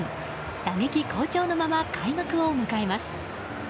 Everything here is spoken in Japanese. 打撃好調のまま開幕を迎えます。